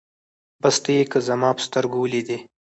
بس ته يې که زما په سترګو وليدې